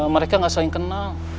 mereka gak saling kenal